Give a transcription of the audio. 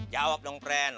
jawab dong pren